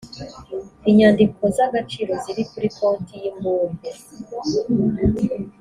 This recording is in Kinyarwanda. inyandiko z agaciro ziri kuri konti y imbumbe